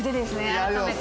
改めて。